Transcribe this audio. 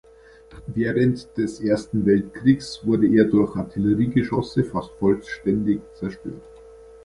Während des Ersten Weltkriegs wurde er durch Artilleriegeschosse fast vollständig zerstört.